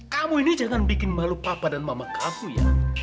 kamu ini jangan bikin malu papa dan mama aku ya